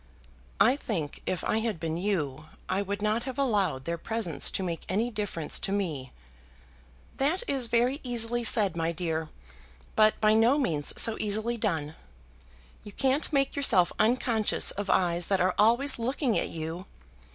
"I think, if I had been you, I would not have allowed their presence to make any difference to me." "That is very easily said, my dear, but by no means so easily done. You can't make yourself unconscious of eyes that are always looking at you.